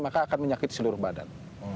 maka akan menyakit seluruh badan